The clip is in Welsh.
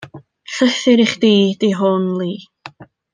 Llythyr i chdi di hwn 'li.